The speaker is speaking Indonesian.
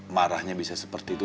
marahnya bisa seperti itu